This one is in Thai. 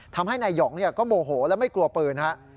ทำให้นายหองก็โมโหและไม่กลัวปืนฮะ